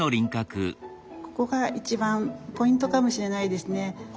ここが一番ポイントかもしれないですね。